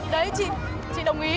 đấy chị đồng ý